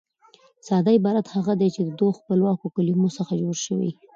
ساده عبارت هغه دئ، چي د دوو خپلواکو کلیمو څخه جوړ يي.